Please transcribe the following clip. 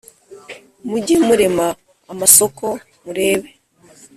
Muge murema amasoko murebe